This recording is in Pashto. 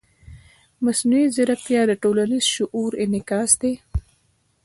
مصنوعي ځیرکتیا د ټولنیز شعور انعکاس دی.